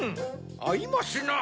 あいますな！